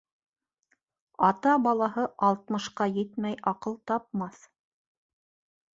Ата балаһы алтмышҡа етмәй аҡыл тапмаҫ.